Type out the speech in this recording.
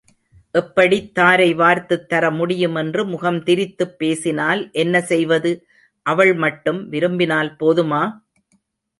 எப்படித் தாரை வார்த்துத் தரமுடியும் என்று முகம் திரித்துப் பேசினால் என்ன செய்வது? அவள் மட்டும் விரும்பினால் போதுமா?